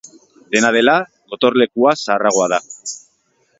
Dena dela, gotorlekua zaharragoa da.